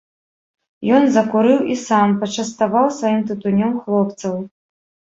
Ён закурыў і сам, пачаставаў сваім тытунём хлопцаў.